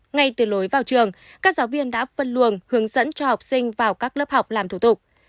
ngay từ lối vào trường các giáo viên đã phân luồng hướng dẫn cho học sinh vào các lớp học làm thủ tục